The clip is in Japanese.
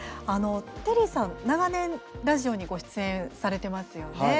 あのテリーさん、長年ラジオにご出演されてますよね。